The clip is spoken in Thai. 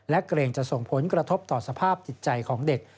เกรงจะส่งผลกระทบต่อสภาพจิตใจของเด็ก